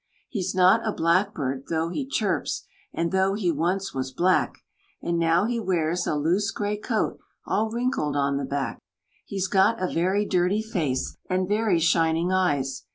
He's not a Blackbird, though he chirps, And though he once was black; And now he wears a loose grey coat, All wrinkled on the back. He's got a very dirty face, And very shining eyes!